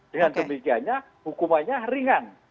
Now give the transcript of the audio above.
dengan demikiannya hukumannya ringan